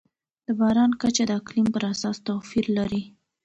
د باران کچه د اقلیم پر اساس توپیر لري.